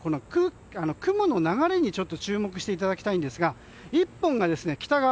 雲の流れに注目していただきたいんですが１本が北側